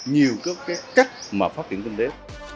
nhiều cách phát triển kinh tế